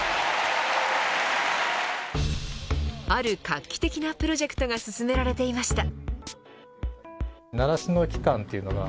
ある画期的なプロジェクトが進められていました。